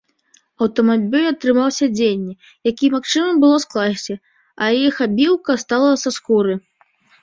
Аўтамабіль атрымаў сядзенні, якія магчыма было скласці, а іх абіўка стала са скуры.